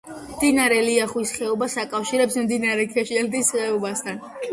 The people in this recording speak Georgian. მდინარე ლიახვის ხეობას აკავშირებს მდინარე ქეშელთის ხეობასთან.